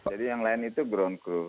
yang lain itu ground crew